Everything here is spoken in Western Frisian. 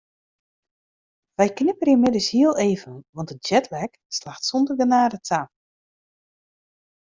Wy knipperje middeis hiel even want de jetlag slacht sûnder genede ta.